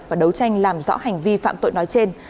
và đấu tranh làm rõ hành vi phạm tội nói trên